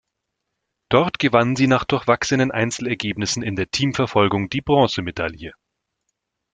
Dort gewann sie nach durchwachsenen Einzelergebnissen in der Teamverfolgung die Bronzemedaille.